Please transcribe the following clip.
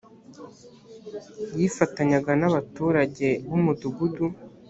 yifatanyaga n abaturage b umudugudu